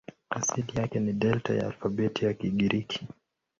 Asili yake ni Delta ya alfabeti ya Kigiriki.